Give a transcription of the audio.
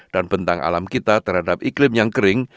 dan bentang alam kita terhadap iklim yang kering